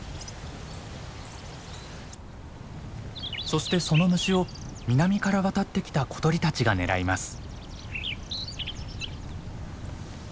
そしてその虫を南から渡ってきた小鳥たちが狙います。